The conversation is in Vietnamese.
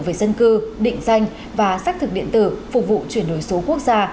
về dân cư định danh và xác thực điện tử phục vụ chuyển đổi số quốc gia